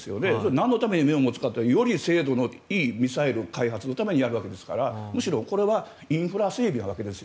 なんのために目を持つかというとより精度のいいミサイル開発のためにやるわけですからむしろこれはインフラ整備なわけです